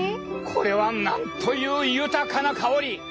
これはなんという豊かな香り！